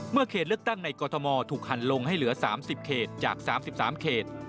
เขตเลือกตั้งในกรทมถูกหันลงให้เหลือ๓๐เขตจาก๓๓เขต